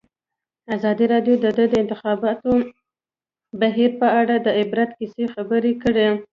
ازادي راډیو د د انتخاباتو بهیر په اړه د عبرت کیسې خبر کړي.